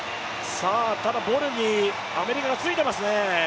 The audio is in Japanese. ただボルにアメリカがついていますね。